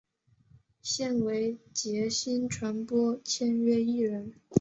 现为杰星传播签约艺人。